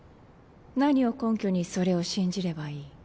何を根拠にそれを信じればいい？